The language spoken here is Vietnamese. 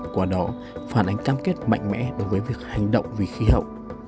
qua đó phản ánh cam kết mạnh mẽ đối với việc hành động vì khí hậu